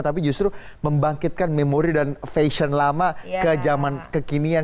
tapi justru membangkitkan memori dan fashion lama ke zaman kekinian